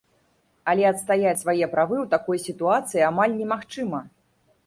Але адстаяць свае правы ў такой сітуацыі амаль немагчыма.